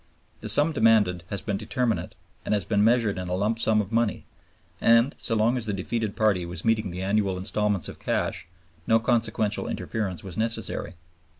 The sum demanded has been determinate and has been measured in a lump sum of money; and so long as the defeated party was meeting the annual instalments of cash no consequential interference was necessary.